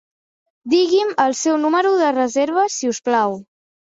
Digui'm el seu número de reserva si us plau.